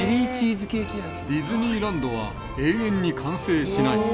ディズニーランドは永遠に完成しない。